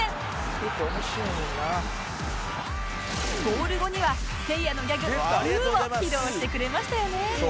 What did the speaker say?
ゴール後にはせいやのギャグ「ウー！」を披露してくれましたよね